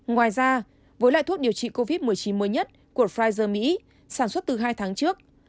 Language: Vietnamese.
ngoài ra với loại thuốc điều trị covid một mươi chín mới nhất của pfizer mỹ sản xuất từ hai tháng trước